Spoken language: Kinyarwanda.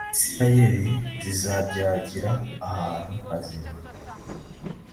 isirayeli zizabyagira ahantu hazima